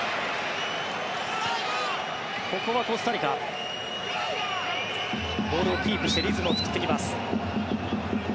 ここはコスタリカボールをキープしてリズムを作ってきます。